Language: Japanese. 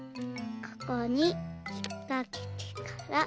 ここにひっかけてから。